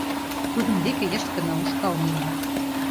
Тудын деке йышт гына ушкал миен...